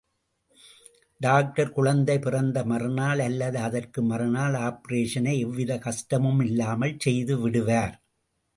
Doctor குழந்தை பிறந்த மறுநாள் அல்லது அதற்கு மறுநாள் ஆப்பரேஷனை எவ்விதக் கஷ்டமுமில்லாமல் செய்துவிடுவார்.